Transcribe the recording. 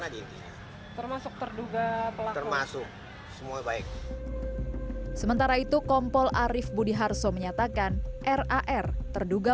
termasuk terduga termasuk semua baik sementara itu kompol arief budiharso menyatakan rar terduga